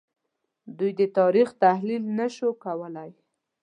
دوی د تاریخ تحلیل نه شو کولای